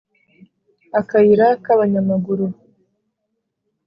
Akayira k'abanyamaguru